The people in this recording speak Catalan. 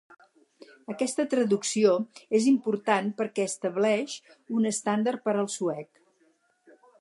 Aquesta traducció és important perquè estableix un estàndard per al suec.